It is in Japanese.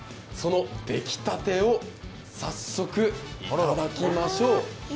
その出来たてを早速、いただきましょう。